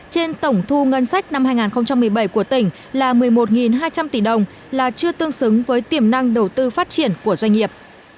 trên tổng thu ngân sách năm hai nghìn một mươi bảy của tỉnh là một mươi một hai trăm linh tỷ đồng là chưa tương xứng với tiềm năng đầu tư phát triển của doanh nghiệp